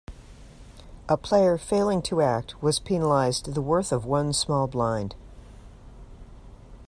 A player failing to act was penalized the worth of one small blind.